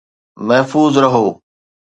محفوظ رهو.